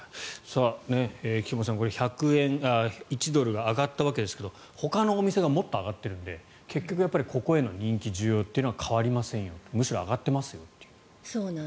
菊間さん、１００円１ドルが上がったわけですがほかのお店はもっと上がっているのでここへの人気、需要というのは変わりませんむしろ上がってますと。